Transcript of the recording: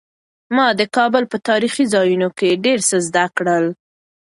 ما د کابل په تاریخي ځایونو کې ډېر څه زده کړل.